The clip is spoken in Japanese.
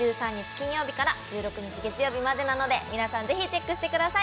金曜日から１６日月曜日までなので皆さん、ぜひチェックしてください。